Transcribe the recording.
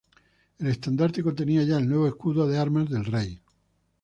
El estandarte contenía ya el nuevo escudo de armas del Rey.